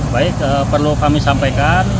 baik perlu kami sampaikan